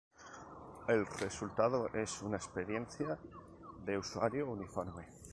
El resultado es una experiencia de usuario uniforme.